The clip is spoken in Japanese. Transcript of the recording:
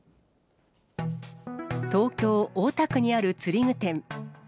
東京・大田区にある釣り具店。